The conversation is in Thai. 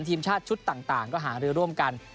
ทีมชาติชุดต่างก็หารือร่วมกัน